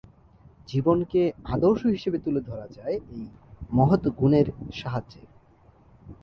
জীবনকে আদর্শ হিসেবে তুলে ধরা যায় এই মহৎ গুণের সাহায্যে।